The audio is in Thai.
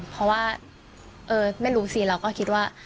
เพราะว่าไม่รู้สิเราก็คิดว่า